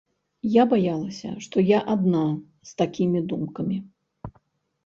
Я баялася, што я адна з такімі думкамі.